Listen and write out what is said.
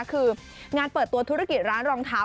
คืองานเปิดตัวธุรกิจร้านรองเท้า